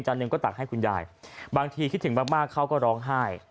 หนึ่งก็ตักให้คุณยายบางทีคิดถึงมากเขาก็ร้องไห้